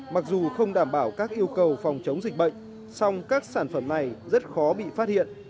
mặc dù không đảm bảo các yêu cầu phòng chống dịch bệnh song các sản phẩm này rất khó bị phát hiện